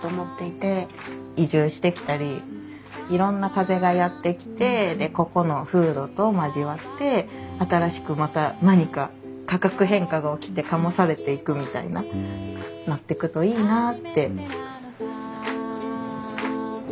移住してきたりいろんな風がやって来てでここの風土と交わって新しくまた何か化学変化が起きて醸されていくみたいななってくといいなあって。